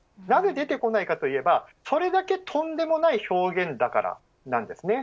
なぜ出てこないかといえばそれだけ、とんでもない表現だからなんです。